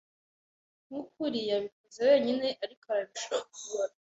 Nkukuri, yabikoze wenyine ariko arabishobora.